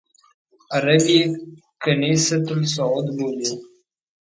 عرب یې کنیسۃ الصعود بولي.